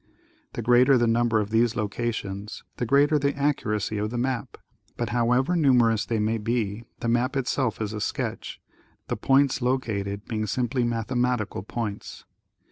The greater the number of these locations the greater the accuracy of the map, but however numerous they may be the map itself is a sketch, the points located being simply mathematical jDoints.